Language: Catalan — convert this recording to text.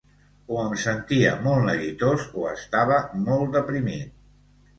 O em sentia molt neguitós, o estava molt deprimit.